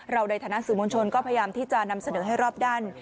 ในฐานะสื่อมวลชนก็พยายามที่จะนำเสนอให้รอบด้าน